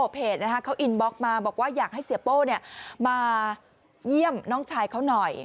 เพจเขาอินบล็อกมาบอกว่าอยากให้เสียโป้มาเยี่ยมน้องชายเขาหน่อย